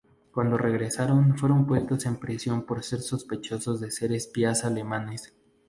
Cuando regresaron fueron puestos en prisión por ser sospechosos de ser espías alemanes.